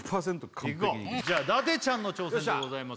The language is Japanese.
完璧に伊達ちゃんの挑戦でございます